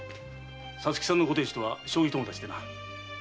皐月さんのご亭主とは将棋友達でな。